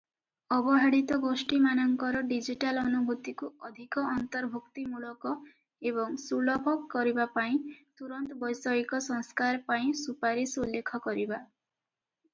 ଅବହେଳିତ ଗୋଷ୍ଠୀମାନଙ୍କର ଡିଜିଟାଲ ଅନୁଭୂତିକୁ ଅଧିକ ଅନ୍ତର୍ଭୁକ୍ତିମୂଳକ ଏବଂ ସୁଲଭ କରିବା ପାଇଁ ତୁରନ୍ତ ବୈଷୟିକ ସଂସ୍କାର ପାଇଁ ସୁପାରିସ ଉଲ୍ଲେଖ କରିବା ।